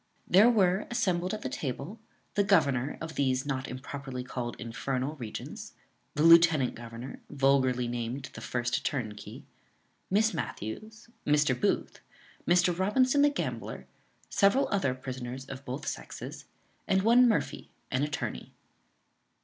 There were assembled at the table the governor of these (not improperly called infernal) regions; the lieutenant governor, vulgarly named the first turnkey; Miss Matthews, Mr. Booth, Mr. Robinson the gambler, several other prisoners of both sexes, and one Murphy, an attorney.